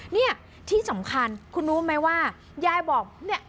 เนี่ยที่สำคัญคุณรู้ไหมว่ายายบอกเนี่ย